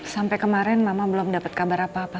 sampai kemarin mama belum dapat kabar apa apa